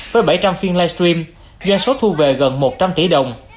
với bảy trăm linh phiên live stream doanh số thu về gần một trăm linh tỷ đồng